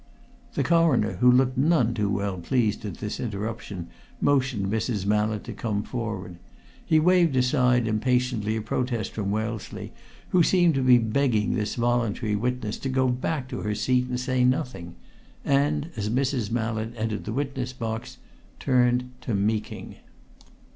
The Coroner, who looked none too well pleased at this interruption, motioned Mrs. Mallett to come forward. He waved aside impatiently a protest from Wellesley, who seemed to be begging this voluntary witness to go back to her seat and say nothing, and, as Mrs. Mallett entered the witness box, turned to Meeking.